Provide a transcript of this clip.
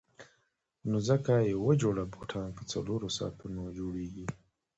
نه ځکه یوه جوړه بوټان په څلورو ساعتونو جوړیږي.